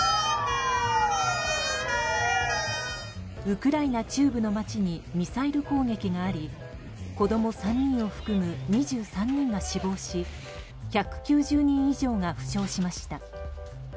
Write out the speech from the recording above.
ウクライナ中部の街にミサイル攻撃があり子供３人を含む２３人が死亡し１９０人以上が負傷しました。